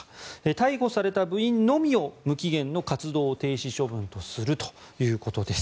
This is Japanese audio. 逮捕された部員のみを無期限の活動停止処分とするということです。